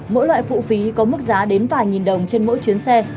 mỗi loại phụ phí có mức giá đến vài nghìn đồng trên mỗi chuyến xe